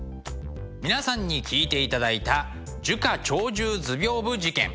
皆さんに聴いていただいた「樹花鳥獣図屏風事件」。